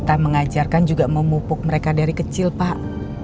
kita mengajarkan juga memupuk mereka dari kecil pak